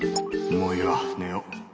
もういいわ寝よう。